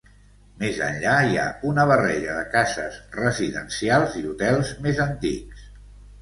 Més enllà hi ha una barreja de cases residencials i hotels més antics.